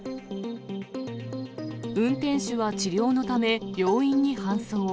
運転手は治療のため病院に搬送。